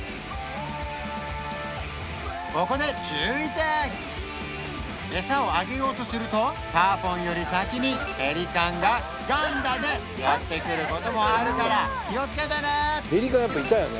ここで餌をあげようとするとターポンより先にペリカンがガンダでやって来ることもあるから気をつけてね！